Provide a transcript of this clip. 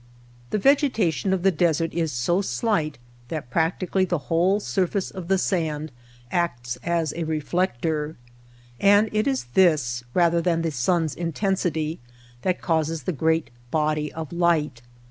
The vegetation of the desert is so slight that practically the whole surface of the sand acts as a reflector ; and it is this, rather than the snn^s intensity, that causes the great body of light.